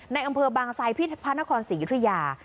ในอำเภอบางไซดที่พระนครศรียุธยา